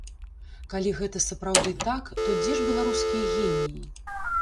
Калі гэта сапраўды так, то дзе ж беларускія геніі?